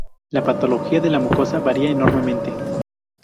La patología de la mucosa varía enormemente.